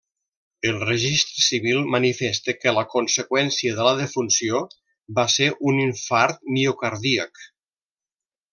El registre civil manifesta que la conseqüència de la defunció va ser un infart miocardíac.